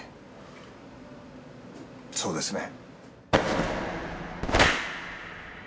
そうですね。